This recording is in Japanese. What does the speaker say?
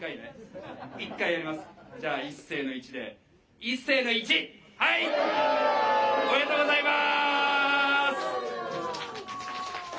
一生の１、おめでとうございます。